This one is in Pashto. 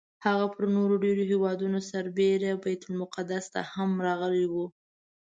هغه پر نورو ډېرو هېوادونو سربېره بیت المقدس ته هم راغلی و.